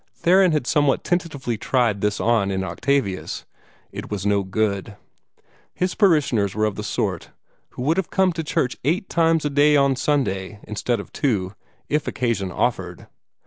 Theron had somewhat tentatively tried this on in Octavius. It was no good. His parishioners were of the sort who would have come to church eight times a day on Sunday, instead of two, if occasion offered.